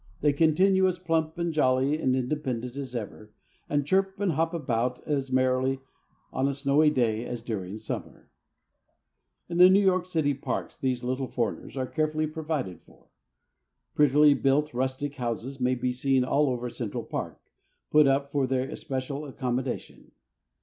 They continue as plump and jolly and independent as ever, and chirp and hop about as merrily on a snowy day as during summer. In the New York city parks these little foreigners are carefully provided for. Prettily built rustic houses may be seen all over Central Park, put up for their especial accommodation.